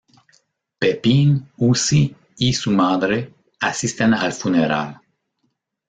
Pepín, Usi y su madre asisten al funeral.